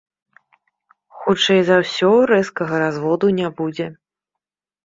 Хутчэй за ўсё, рэзкага разводу не будзе.